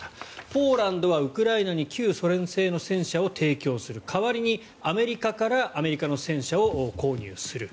ポーランドはウクライナに旧ソ連製の戦車を提供する代わりに、アメリカからアメリカの戦車を購入する。